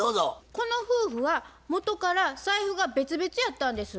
この夫婦はもとから財布が別々やったんです。